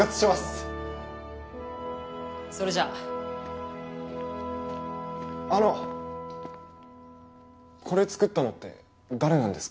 それじゃああのこれ作ったのって誰なんですか？